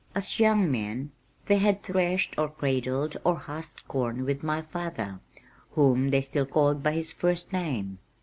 As young men they had threshed or cradled or husked corn with my father, whom they still called by his first name.